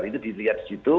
itu dilihat gitu